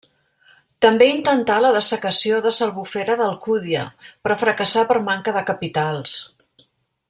També intentà la dessecació de s'Albufera d'Alcúdia, però fracassà per manca de capitals.